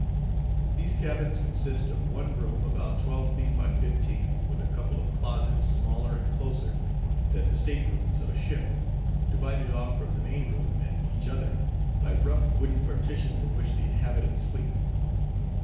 These cabins consist of one room about twelve feet by fifteen, with a couple of closets smaller and closer than the state rooms of a ship, divided off from the main room and each other by rough wooden partitions in which the inhabitants sleep.